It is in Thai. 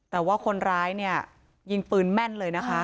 แต่ว่าคนร้ายเนี่ยยิงปืนแม่นเลยนะคะ